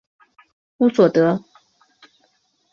乌索德。